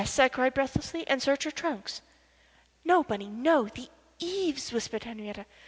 I cried, breathlessly. "And search her trunks?" "No, Bunny, no the eaves," whispered Henriette.